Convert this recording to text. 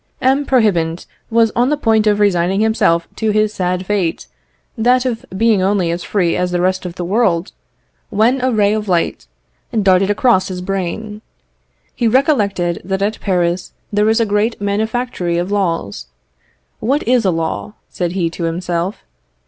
M. Prohibant was on the point of resigning himself to his sad fate, that of being only as free as the rest of the world, when a ray of light darted across his brain. He recollected that at Paris there is a great manufactory of laws. "What is a law?" said he to himself.